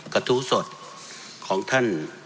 กระทู้สดของท่าน